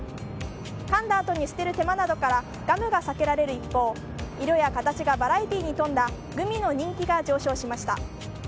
かんだ後に捨てる手間などからガムが避けられる一方色や形がバラエティーに富んだグミの人気が上昇しました。